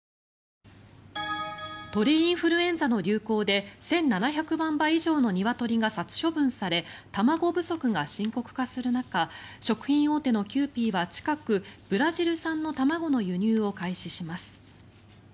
鳥インフルエンザの流行で１７００万羽以上のニワトリが殺処分され卵不足が深刻化する中食品大手のキユーピーは近く、ブラジル産の卵の輸入を開始します。